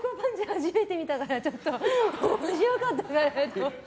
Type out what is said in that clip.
初めて見たからちょっと面白かったから。